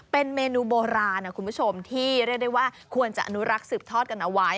เป็นเมนูโบราณนะคุณผู้ชมที่เรียกได้ว่าควรจะอนุรักษ์สืบทอดกันเอาไว้